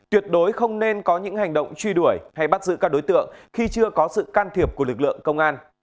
tuyệt đối không nên có những hành động truy đuổi hay bắt giữ các đối tượng khi chưa có sự can thiệp của lực lượng công an